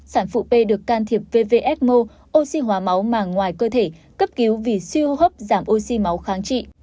sản phụ b được can thiệp vvs mo oxy hóa máu màng ngoài cơ thể cấp cứu vì siêu hô hấp giảm oxy máu kháng trị